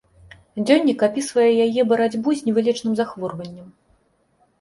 Дзённік апісвае яе барацьбу з невылечным захворваннем.